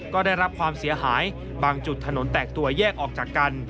ก็ได้รับความเสียหายบางจุดถนนแตกตัวแยกออกจากกัน